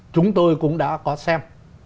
chúng tôi cũng đã có xem